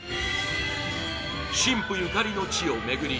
新婦ゆかりの地を巡り